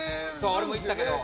俺も行ったけど。